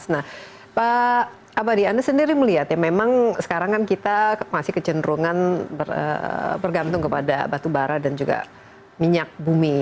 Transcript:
nah pak abadi anda sendiri melihat ya memang sekarang kan kita masih kecenderungan bergantung kepada batu bara dan juga minyak bumi